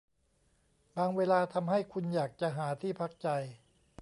บางเวลาทำให้คุณอยากจะหาที่พักใจ